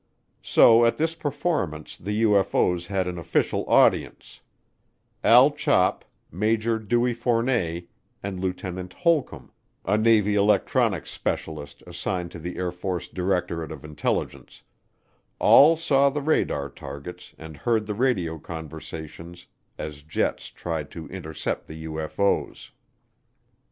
So at this performance the UFO's had an official audience; Al Chop, Major Dewey Fournet, and Lieutenant Holcomb, a Navy electronics specialist assigned to the Air Force Directorate of Intelligence, all saw the radar targets and heard the radio conversations as jets tried to intercept the UFO's.